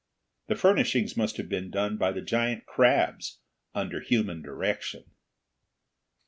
The furnishings must have been done by the giant crabs, under human direction.